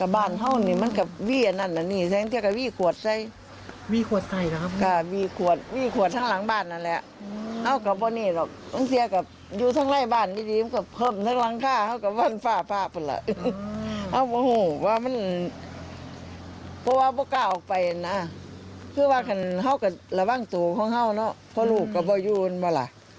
บ้างตัวเขาเข้าเนอะเพราะลูกก็ไม่ยุ่นมาล่ะ